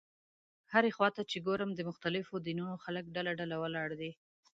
هرې خوا ته چې ګورم د مختلفو دینونو خلک ډله ډله ولاړ دي.